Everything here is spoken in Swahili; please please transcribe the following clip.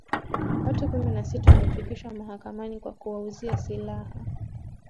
Watu kumi na sita wamefikishwa mahakamani kwa kuwauzia silaha